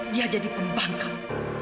dia jadi pembangkang